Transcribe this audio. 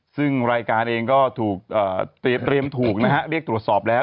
ซึ่งรายการเองก็ถูกเตรียมถูกนะฮะเรียกตรวจสอบแล้ว